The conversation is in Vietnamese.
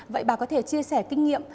vậy bà có thể chia sẻ kinh nghiệm